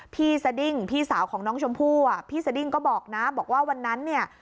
สดิ้งพี่สาวของน้องชมพู่อ่ะพี่สดิ้งก็บอกนะบอกว่าวันนั้นเนี่ย